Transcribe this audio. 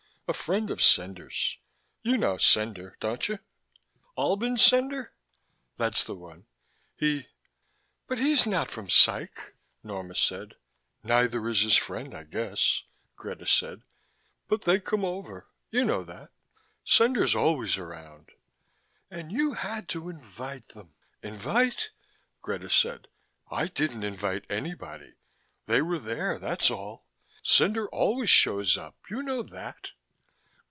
A friend of Cendar's you know Cendar, don't you?" "Albin Cendar?" "That's the one. He " "But he's not from Psych." Norma said. "Neither is his friend, I guess," Greta said. "But they come over, you know that Cendar's always around." "And you had to invite them...." "Invite?" Greta said. "I didn't invite anybody. They were there, that's all. Cendar always shows up. You know that."